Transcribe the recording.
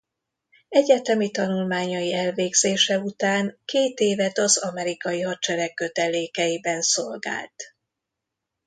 Egyetemi tanulmányai elvégzése után két évet az amerikai hadsereg kötelékeiben szolgált.